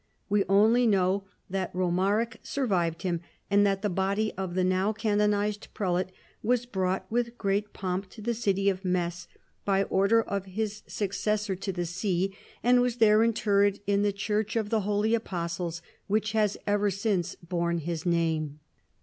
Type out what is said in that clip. We only know that Romaric survived him, and that the body of the now canonized prelate was brought with great pomp to the city of Metz by order of his successor in the see, 3 34 CHARLEMAGNE. and was there interred in the church of the Holy Apostles, which has ever since borne his name.